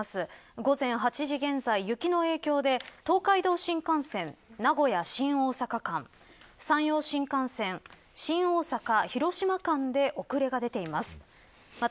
午前８時現在、雪の影響で東海道新幹線名古屋、新大阪間山陽新幹線、新大阪、広島間で遅れが出ています。